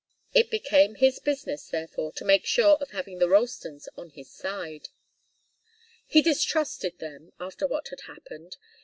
It became his business, therefore, to make sure of having the Ralstons on his side. He distrusted them, after what had happened.